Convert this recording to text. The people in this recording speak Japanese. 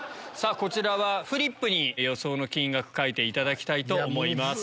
こちらはフリップに予想の金額書いていただきたいと思います。